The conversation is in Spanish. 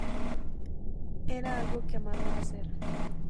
Era algo que amaba hacer.